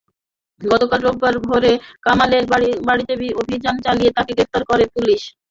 গতকাল রোববার ভোরে কামালের বাড়িতে অভিযান চালিয়ে তাঁকে গ্রেপ্তার করে পুলিশ।